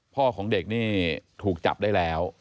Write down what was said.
พ่อของเด็กนี่ถูกจับได้แล้ว